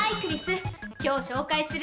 今日紹介するのは。